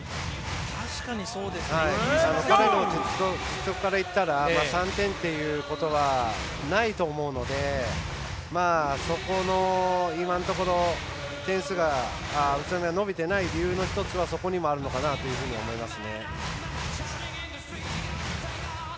彼の実力からいったら３点ということはないと思うので今のところ、点数が宇都宮が伸びていないところはそこにもあるのかなというふうに思います。